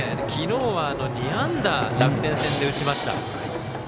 きのうは、２安打楽天戦で打ちました。